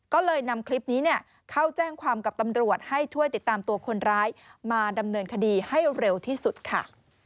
ก็เลยนำคลิปนี้เข้าแจ้งความกับตำรวจให้ช่วยติดตามตัวคนร้ายมาดำเนินคดีให้เร็วที่สุดค่ะ